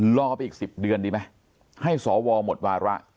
รอไปอีก๑๐เดือนดีไหมให้สวหมดวาระ